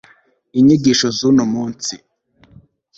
inyigisho z'uno munsi